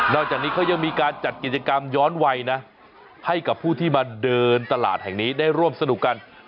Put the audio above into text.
จากนี้เขายังมีการจัดกิจกรรมย้อนวัยนะให้กับผู้ที่มาเดินตลาดแห่งนี้ได้ร่วมสนุกกัน